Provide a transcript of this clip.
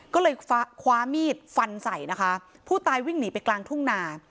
ก็เลยคว้ามีดฟันใส่นะคะผู้ตายวิ่งหนีไปกลางทุ่งนา